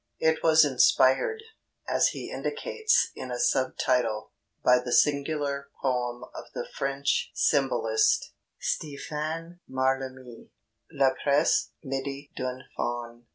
It was inspired, as he indicates in a sub title, by the singular poem of the French symbolist, Stéphane Mallarmé, L'Après Midi d'un Faune.